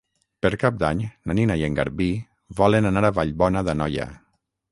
Per Cap d'Any na Nina i en Garbí volen anar a Vallbona d'Anoia.